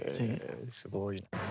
すごい。